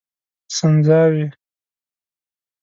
سنځاوي